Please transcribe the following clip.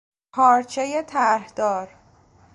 پارچهی طرح دار